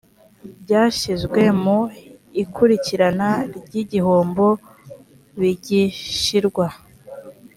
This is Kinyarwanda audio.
byashyizwe mu ikurikirana ry igihombo bigishyirwa